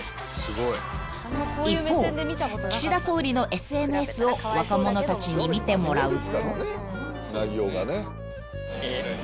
［一方岸田総理のＳＮＳを若者たちに見てもらうと］